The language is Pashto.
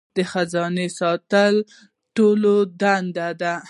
د خزانې ساتنه د ټولو دنده ده.